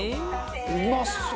「うまそう！」